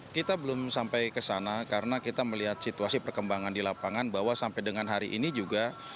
kita belum sampai ke sana karena kita melihat situasi perkembangan di lapangan bahwa sampai dengan hari ini juga